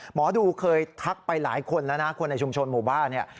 หมอดูเคยทักไปหลายคนแล้วนะคนในชุมชนหมู่บ้านเนี่ย